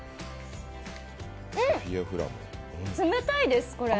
冷たいです、これ。